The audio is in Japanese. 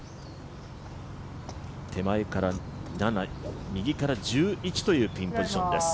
手前から７、右から１１というピンポジションです。